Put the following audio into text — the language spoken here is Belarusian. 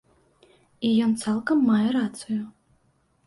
І ён цалкам мае рацыю.